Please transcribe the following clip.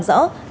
để giữ tài sản